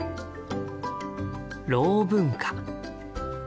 「ろう文化」。